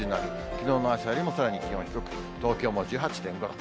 きのうの朝よりもさらに気温低く、東京も１８．５度。